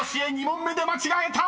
２問目で間違えた！］